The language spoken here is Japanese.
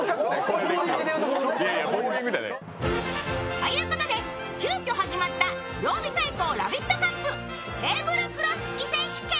ということで、急きょ始まった曜日対抗ラヴィットカップ、テーブルクロス引き選手権。